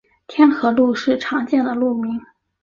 天河路是常见的路名。